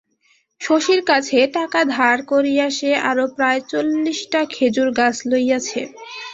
শশীর কাছে টাকা ধার করিয়া সে আরও প্রায় চল্লিশটা খেজুরগাছ লইয়াছে।